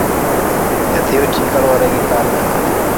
Nyathi oti kaluwore gi kar nyalone.